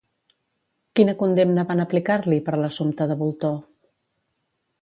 Quina condemna van aplicar-li per l'assumpte de Bultó?